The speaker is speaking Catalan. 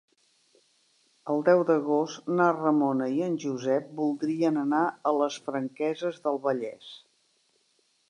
El deu d'agost na Ramona i en Josep voldrien anar a les Franqueses del Vallès.